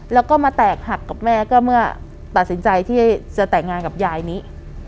แล้วก็มาแตกหักกับแม่ก็เมื่อตัดสินใจที่จะแต่งงานกับยายนี้